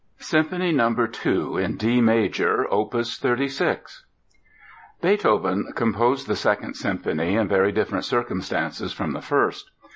Symphony No. 2, in D Major, Opus 36 Beethoven composed the Second Symphony in very different circumstances from the first.